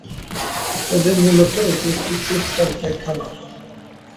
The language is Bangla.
তবে মূলতঃ এটি একটি কোস্টা রিকার খাবার।